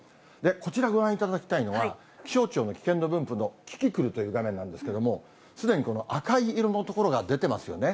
こちらご覧いただきたいのは、気象庁の危険度分布のキキクルという画面なんですけれども、すでにこの赤い色の所が出てますよね。